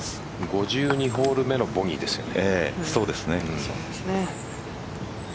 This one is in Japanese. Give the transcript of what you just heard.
５２ホール目のボギーですよね。